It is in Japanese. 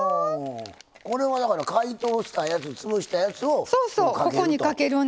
これはだから解凍したやつ潰したやつをここにかけると。